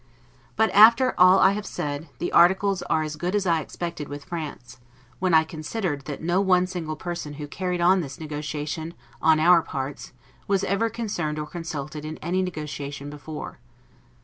But after all I have said, the articles are as good as I expected with France, when I considered that no one single person who carried on this negotiation on our parts was ever concerned or consulted in any negotiation before.